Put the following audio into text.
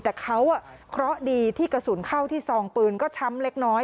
แต่เขาเคราะห์ดีที่กระสุนเข้าที่ซองปืนก็ช้ำเล็กน้อย